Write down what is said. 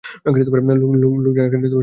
লোকজন এখানে সবসময় আসে আর যায়।